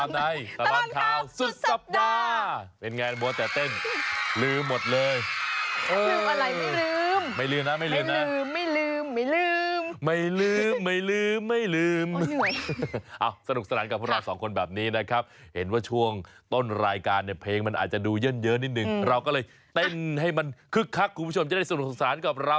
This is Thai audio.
ให้มันคึกคักคุณผู้ชมจะได้สนุกสนานกับเรา